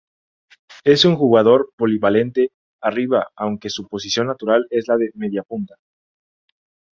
Es un jugador polivalente arriba aunque su posición natural es la de mediapunta.